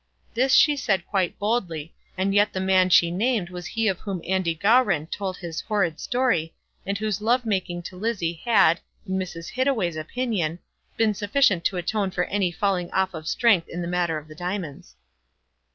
This she said quite boldly, and yet the man she named was he of whom Andy Gowran told his horrid story, and whose love making to Lizzie had, in Mrs. Hittaway's opinion, been sufficient to atone for any falling off of strength in the matter of the diamonds.